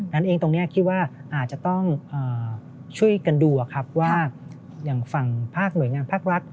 นั้นเองตรงนี้คิดว่าอาจจะต้องช่วยกันดูว่าอย่างฝั่งภาคหน่วยงานภาครัฐ